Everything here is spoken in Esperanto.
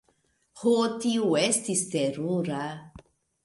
Ho, tio estis terura!